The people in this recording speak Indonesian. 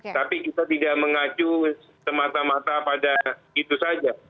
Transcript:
tapi kita tidak mengacu semata mata pada itu saja